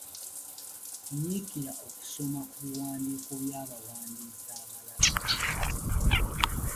Nyiikira okusoma ku biwandiiko by'abawandiisi abalala.